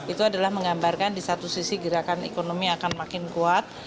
itu adalah menggambarkan di satu sisi gerakan ekonomi akan makin kuat